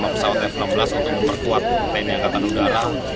lima pesawat f enam belas untuk memperkuat tni angkatan udara